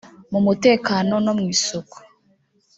mu mutekano no mu isuku